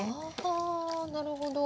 あなるほど。